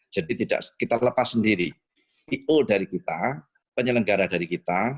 jadi kita lepas sendiri i o dari kita penyelenggara dari kita